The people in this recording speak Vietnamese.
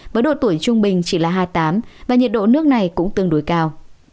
với độ tuổi trung bình chỉ là hai mươi tám và nhiệt độ nước này cũng tương đối cao